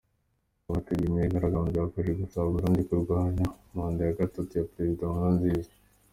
Abateguye imyigaragambyo bakomeje gusaba Abarundi kurwanya manda ya gatatu ya Perezida Nkurunziza.